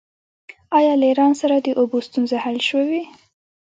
آیا له ایران سره د اوبو ستونزه حل شوې؟